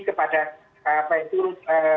kepada apa itu